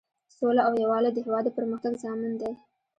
سوله او یووالی د هیواد د پرمختګ ضامن دی.